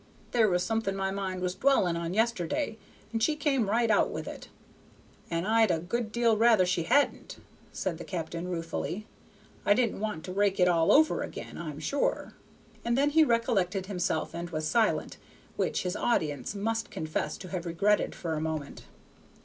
There was something my mind was dwellin' on yesterday, and she come right out with it, and I'd a good deal rather she hadn't," said the captain, ruefully. "I didn't want to rake it all over ag'in, I'm sure." And then he recollected himself, and was silent, which his audience must confess to have regretted for a moment.